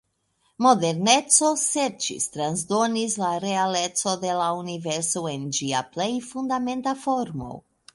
Moderneco serĉis transdonis la "realeco" de la universo en ĝia plej fundamenta formo.